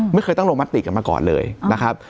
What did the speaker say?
ไม่เคยต้องลงมติกันมาก่อนเลยนะครับ